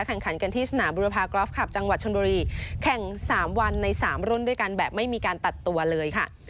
แข่งขันกันที่สนามบุรพากรอฟคลับจังหวัดชนบุรีแข่ง๓วันใน๓รุ่นด้วยกันแบบไม่มีการตัดตัวเลยค่ะ